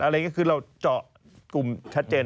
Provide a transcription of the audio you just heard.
อะไรอ่ะคือเราจอกกลุ่มชัดเจน